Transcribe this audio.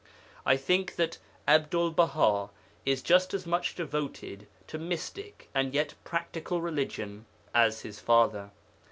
I think that Abdul Baha is just as much devoted to mystic and yet practical religion as his father.